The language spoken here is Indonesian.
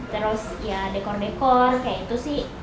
terus ya dekor dekor kayak itu sih